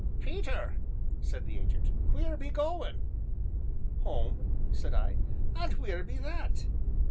"Peter," said the Ancient, "wheer be goin'?" "Home!" said I. "And wheer be that?"